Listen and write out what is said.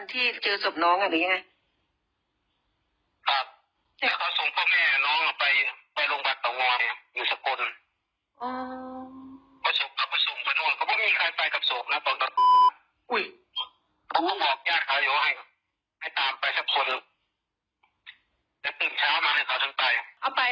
ถึงเช้าประมาณเมื่อก่อนถึงใต้